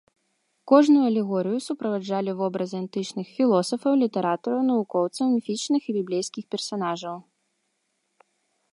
Кожную алегорыю суправаджалі вобразы антычных філосафаў, літаратараў, навукоўцаў, міфічных і біблейскіх персанажаў.